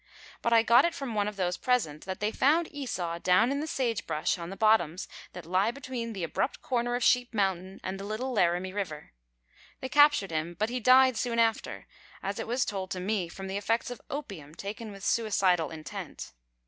But I got it from one of those present, that they found Esau down in the sage brush on the bottoms that lie between the abrupt corner of Sheep Mountain and the Little Laramie River. They captured him, but he died soon after, as it was told me, from the effects of opium taken with suicidal intent.